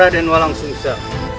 raden walang sungsar